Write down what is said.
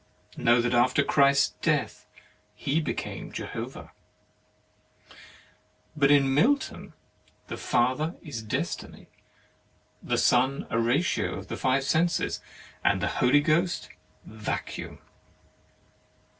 Know that after Christ's death he became Jehovah. But in Milton, the Father is Destiny, the Son a ratio of the five senses, and the Holy Ghost vacuum